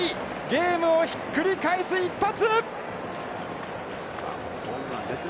ゲームをひっくり返す１発。